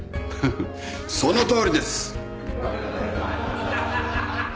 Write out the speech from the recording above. そのとおりです。